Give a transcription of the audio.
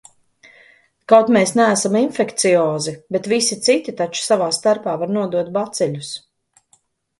Kaut mēs neesam infekciozi, bet visi citi taču savā starpā var nodot baciļus.